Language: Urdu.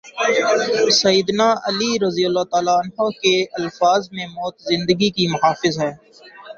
سید نا علیؓ کے الفاظ میں موت زندگی کی محافظ ہے۔